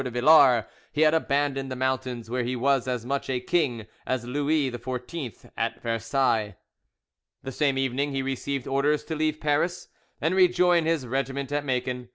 de Villars, he had abandoned the mountains where he was as much a king as Louis XIV at Versailles. The same evening he received orders to leave Paris and rejoin his regiment at Macon.